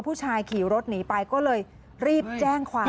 พอผู้ชายขี่โยนรถหนีไปก็เลยรีบแจ้งความ